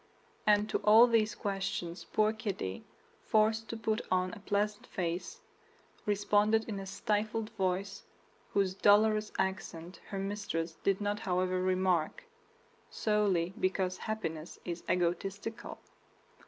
And to all these questions poor Kitty, forced to put on a pleasant face, responded in a stifled voice whose dolorous accent her mistress did not however remark, solely because happiness is egotistical.